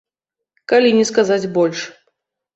Калі не сказаць больш.